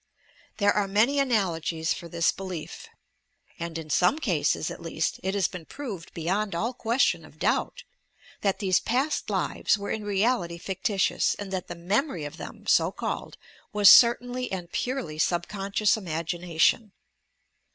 There are many analogies for this belief, YOUR PSYCHIC POWERS and in some cases at least, it has been proved beyond all question of doubt, that these "past lives" were in reality fictitious, and that the "memory" of them, so ealled, was certainly and purely subconscious imagina tion.